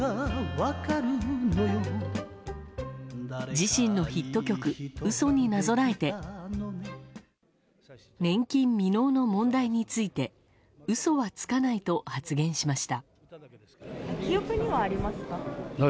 自身のヒット曲「うそ」になぞらえて年金未納の問題について嘘はつかないと発言しました。